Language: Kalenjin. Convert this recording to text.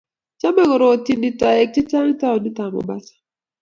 chomei ku rotyini tooek che chang' townitab Mombasa